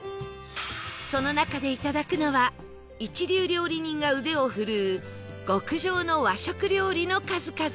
その中でいただくのは一流料理人が腕を振るう極上の和食料理の数々